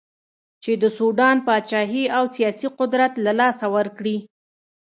چې د سوډان پاچهي او سیاسي قدرت له لاسه ورکړي.